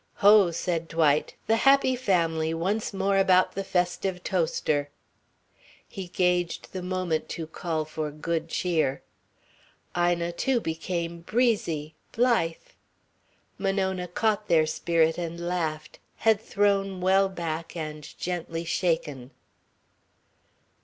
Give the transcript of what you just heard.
"Ho!" said Dwight. "The happy family, once more about the festive toaster." He gauged the moment to call for good cheer. Ina, too, became breezy, blithe. Monona caught their spirit and laughed, head thrown well back and gently shaken.